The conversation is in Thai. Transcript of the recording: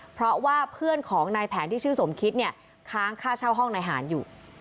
เพราะว่าเพื่อนของนายแผนที่ชื่อสมคิดเนี่ยค้างค่าเช่าห้องนายหารอยู่